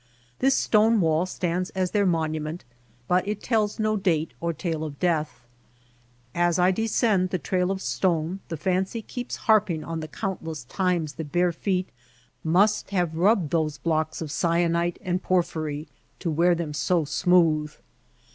This stone wall stands as their monument, but it tells no date or tale of death. As I descend the trail of stone the fancy keeps harping on the countless times the bare feet must have rubbed those blocks of syenite and porphyry to wear them so smooth.